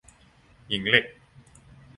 หญิงเหล็ก